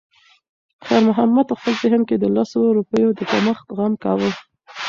خیر محمد په خپل ذهن کې د لسو روپیو د کمښت غم کاوه.